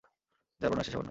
যার বর্ণনা শেষ হবার নয়।